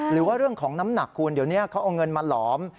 หรือว่าเรื่องของน้ำหนักคุณเดี๋ยวนี้เขาเอาเงินมาหลอม